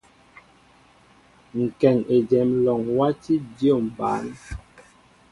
Kéŋ éjem alɔŋ wati dyȏm ɓăn.